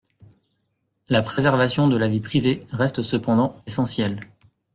La préservation de la vie privée reste cependant essentielle.